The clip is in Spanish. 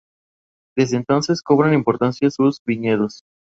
Desde entonces, cobran importancia sus viñedos.